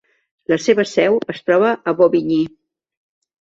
La seva seu es troba a Bobigny.